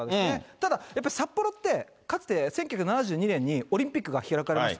ただ、やっぱり札幌ってかつて、１９７２年にオリンピックが開かれました。